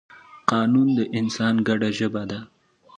قانون د انسان ګډه ژبه ده.